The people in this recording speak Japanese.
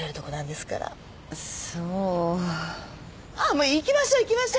もう行きましょ行きましょ。